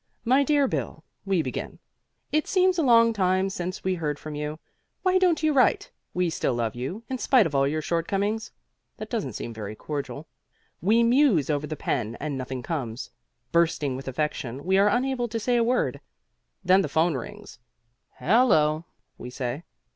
My dear Bill, we begin, it seems a long time since we heard from you. Why don't you write? We still love you, in spite of all your shortcomings. That doesn't seem very cordial. We muse over the pen and nothing comes. Bursting with affection, we are unable to say a word. Just then the phone rings. "Hello?" we say.